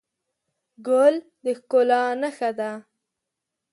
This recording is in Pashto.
ګل د ښکلا نښه ده.